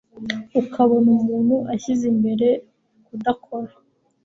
ukabona umuntu ashyize imbere kudakora